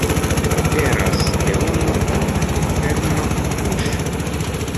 Aperas leono kun malferma buŝo.